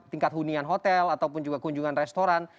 tingkat hunian hotel ataupun juga kunjungan restoran